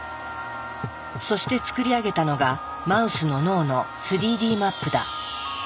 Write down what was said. そして作り上げたのがマウスの脳の３Ｄマップだ。